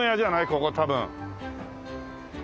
ここ多分。